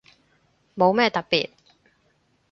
冇咩特別